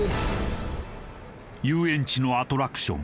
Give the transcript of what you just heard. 遊園地のアトラクション